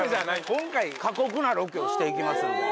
今回過酷なロケをしていきますんで。